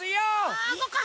あそっか！